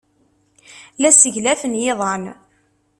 La sseglafen yiḍan.